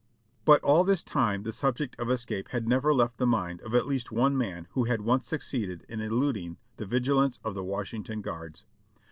But all this time the subject of escape had never left the mind of at least one man who had once succeeded in eluding the vigil ance of the Washington guards.